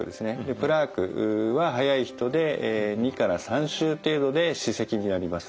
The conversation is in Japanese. プラークは早い人で２から３週程度で歯石になります。